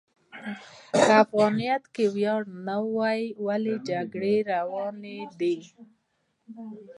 که افغانیت کې ویاړ نه و، ولې جګړې روانې دي؟